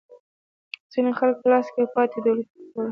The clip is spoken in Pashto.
ځینې یې د خلکو په لاس کې او پاتې دولتي ډېپوګانو کې وو.